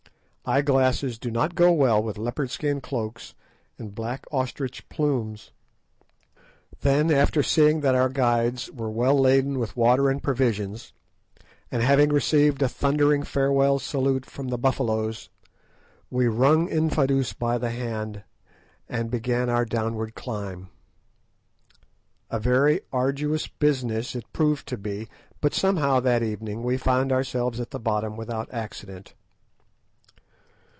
Eye glasses do not go well with leopard skin cloaks and black ostrich plumes. Then, after seeing that our guides were well laden with water and provisions, and having received a thundering farewell salute from the Buffaloes, we wrung Infadoos by the hand, and began our downward climb. A very arduous business it proved to be, but somehow that evening we found ourselves at the bottom without accident.